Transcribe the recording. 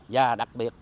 và đặc biệt